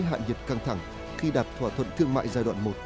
hạ nhiệt căng thẳng khi đạt thỏa thuận thương mại giai đoạn một